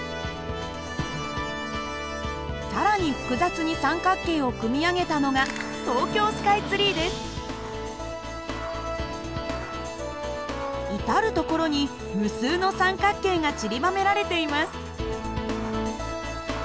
更に複雑に三角形を組み上げたのが至る所に無数の三角形がちりばめられています。